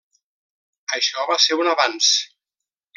Això va ser un avanç.